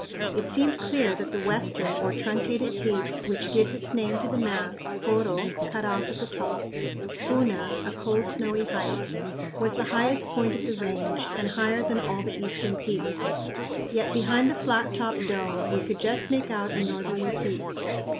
It seemed clear that the western or truncated peak, which gives its name to the mass (koro = "cut off at the top"; puna = "a cold, snowy height"), was the highest point of the range, and higher than all the eastern peaks. Yet behind the flat topped dome we could just make out a northerly peak.